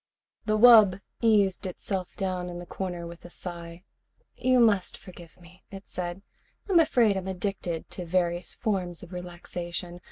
The wub eased itself down in the corner with a sigh. "You must forgive me," it said. "I'm afraid I'm addicted to various forms of relaxation.